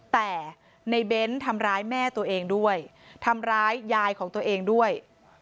แต่ในเบ้นทำร้ายแม่ตัวเองด้วยทำร้ายยายของตัวเองด้วย